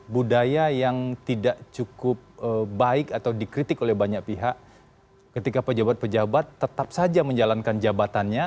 budaya yang tidak cukup baik atau dikritik oleh banyak pihak ketika pejabat pejabat tetap saja menjalankan jabatannya